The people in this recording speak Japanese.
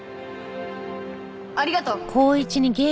ありがとう。